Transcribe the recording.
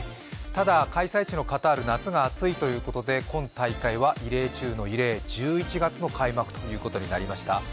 ただ開催地のカタール、夏が暑いということで今大会は異例中の異例、１１月の開幕ということになりました。